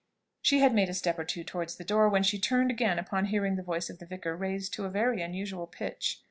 She had made a step or two towards the door, when she turned again upon hearing the voice of the vicar raised to a very unusual pitch.